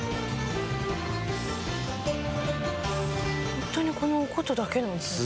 ホントにこのお箏だけなんですね。